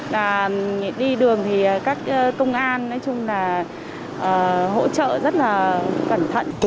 và đi đường thì các công an nói chung là hỗ trợ rất là cẩn thận